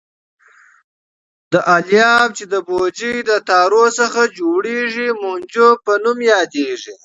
دا الیاف چې د بوجۍ له تارو څخه جوړېږي مونجو په نوم یادیږي.